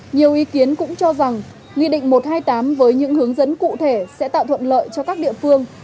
nhiều ý kiến cũng cho rằng nghị định một trăm hai mươi tám với những hướng dẫn cụ thể sẽ tạo thuận lợi cho các địa phương